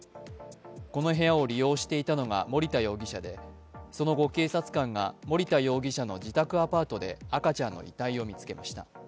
この部屋を利用していたのが森田容疑者でその後、警察官が森田容疑者の自宅アパートで赤ちゃんの遺体を見つけました。